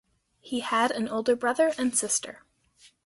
He had an older brother and sister.